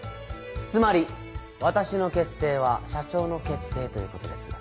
つまり私の決定は社長の決定ということです。